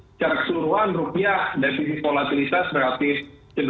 secara keseluruhan rupiah dari sisi volatilitas relatif cenderung